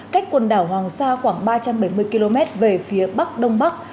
cách quần đảo hoàng sa khoảng ba trăm bảy mươi km về phía bắc đông bắc